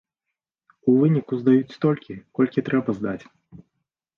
У выніку здаюць столькі, колькі трэба здаць.